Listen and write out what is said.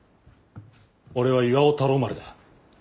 俺は巌太郎丸だ。